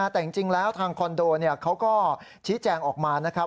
แต่จริงแล้วทางคอนโดเขาก็ชี้แจงออกมานะครับ